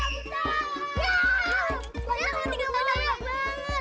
wah banyak rambutannya